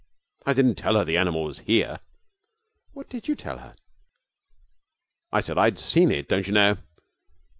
'I didn't tell her the animal was here.' 'What did you tell her?' 'I said I had seen it, don't you know.'